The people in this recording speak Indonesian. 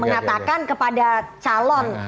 mengatakan kepada calon